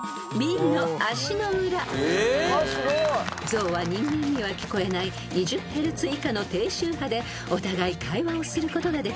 ［象は人間には聞こえない２０Ｈｚ以下の低周波でお互い会話をすることができます］